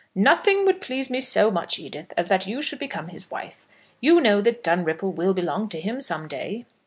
"Nothing would please me so much, Edith, as that you should become his wife. You know that Dunripple will belong to him some day."